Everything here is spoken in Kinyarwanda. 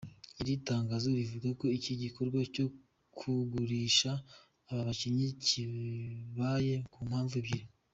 Iri tangazo rivuga ko iki gikorwa cyo kugurisha aba bakinnyi kibaye ku mpavu ebyiri.